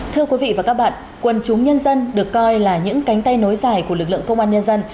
thưa quý vị và các bạn quân chúng nhân dân được coi là những cánh tay nối dài của lực lượng công an nhân dân